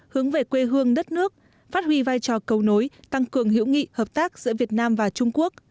hướng về quê hương đất nước phát huy vai trò cầu nối tăng cường hiểu nghị hợp tác giữa việt nam và trung quốc